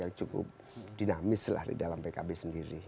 dan cukup dinamis di dalam pkb sendiri